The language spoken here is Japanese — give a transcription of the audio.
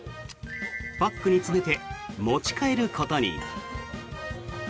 パックに詰めて持ち帰ることに。